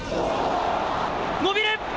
伸びる！